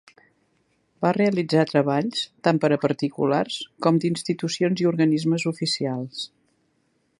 Va realitzar treballs tant per a particulars com d'institucions i organismes oficials.